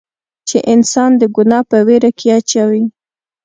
چې انسان د ګناه پۀ وېره کښې اچوي